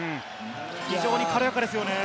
非常に軽やかですよね。